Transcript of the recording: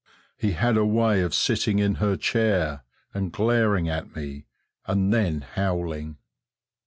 "He had a way of sitting in her chair and glaring at me, and then howling."